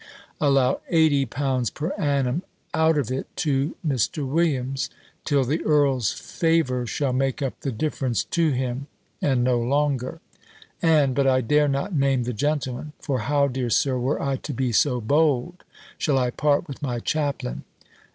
allow eighty pounds per annum out of it to Mr. Williams, till the earl's favour shall make up the difference to him, and no longer. And but I dare not name the gentleman: for how, dear Sir, were I to be so bold, shall I part with my chaplain?"